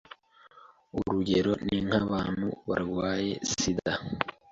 urugero ni nk’abantu barwaye Sida